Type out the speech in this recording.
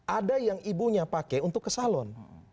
ada yang ibunya pakai untuk ke salon